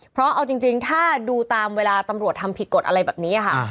เพราะเอาจริงถ้าดูตามเวลาตำรวจทำผิดกฎอะไรแบบนี้ค่ะ